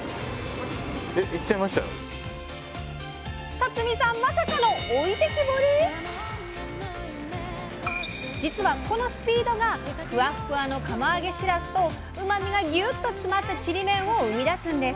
辰巳さん実はこのスピードがふわっふわの釜揚げしらすとうまみがギュッと詰まったちりめんを生み出すんです！